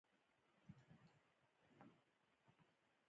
کندهار د افغان کلتور سره نږدې تړاو لري.